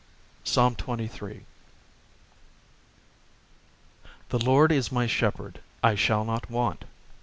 PSALM XXIII 1 The LORD is my shepherd; I shall not want.